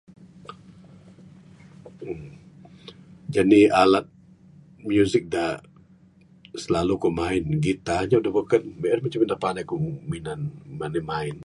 Jeni alat muzik dak silalu ku main gitar dak beken, mina en lai dak pandai ku main.